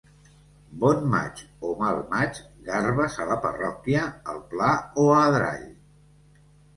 Bon maig o mal maig, garbes a la Parròquia, al Pla o a Adrall.